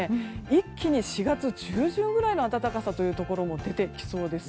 一気に４月中旬くらいの暖かさというところも出てきそうです。